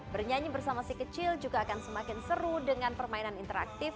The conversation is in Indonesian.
bernyanyi bersama si kecil juga akan semakin seru dengan permainan interaktif